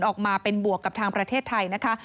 ออกมาเป็นบวกกับทางประเทศไทยนะคะ